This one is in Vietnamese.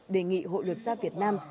đề nghị hội luật gia việt nam